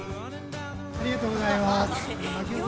ありがとうございます。